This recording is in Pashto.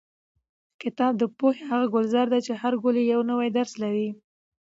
کتاب د پوهې هغه ګلزار دی چې هر ګل یې یو نوی درس لري.